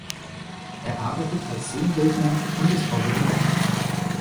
Er arbeitet als Szenenbildner und ist Autodidakt.